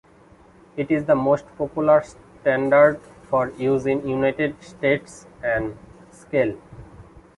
It is the most popular standard for use in United States N scale.